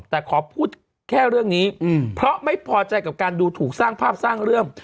แต่ขอพูดแค่เรื่องนี้เพราะไม่พอใจกับการดูถูกสร้างภาพสร้างเรื่อง